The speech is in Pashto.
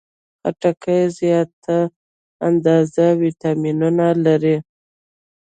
خټکی زیاته اندازه ویټامینونه لري.